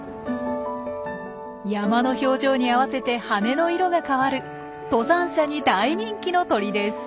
山の表情に合わせて羽の色が変わる登山者に大人気の鳥です。